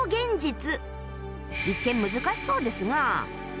一見難しそうですが